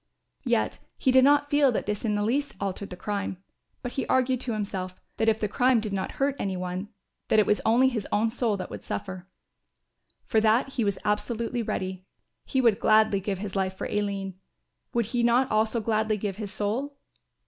Yet he did not feel that this in the least altered the crime; but he argued to himself, that if the crime did not hurt any one that it was only his own soul that would suffer. For that he was absolutely ready. He would gladly give his life for Aline, would he not also gladly give his soul?